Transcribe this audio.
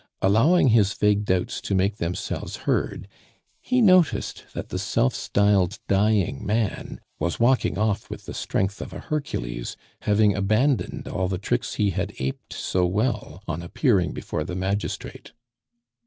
Allowing his vague doubts to make themselves heard, he noticed that the self styled dying man was walking off with the strength of a Hercules, having abandoned all the tricks he had aped so well on appearing before the magistrate.